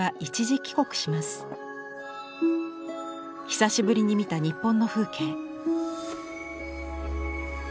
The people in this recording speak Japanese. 久しぶりに見た日本の風景。